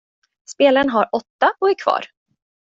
Spelaren har åtta och är kvar.